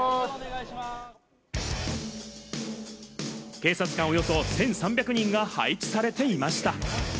警察官およそ１３００人が配置されていました。